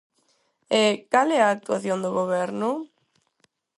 E ¿cal é a actuación do Goberno?